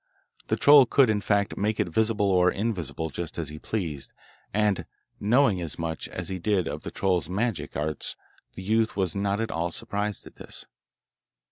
The troll could, in fact, make it visible or invisible, just as he pleased, and, knowing as much as he did of the troll's magic arts, the youth was not at all surprised at this.